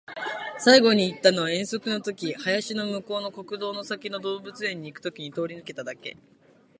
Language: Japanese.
最後に行ったのは遠足の時、林の向こうの国道の先の動物園に行く時に通り抜けただけ